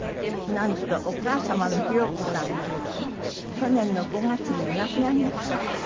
なんとお母様の裕子さんが去年の５月にお亡くなりになったんですって？